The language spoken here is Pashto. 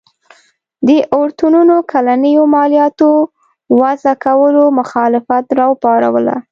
د اورتونونو کلنیو مالیاتو وضعه کولو مخالفت راوپاروله.